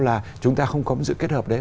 là chúng ta không có sự kết hợp đấy